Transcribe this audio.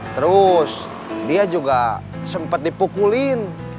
terus dia juga sempat dipukulin